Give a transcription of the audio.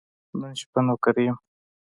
نن شپه نوکري یم .